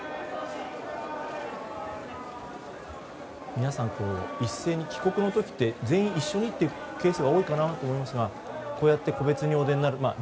皆さん一斉に帰国の時って全員一緒にっていうケースが多いかなと思いますがこうやって個別にお出になって。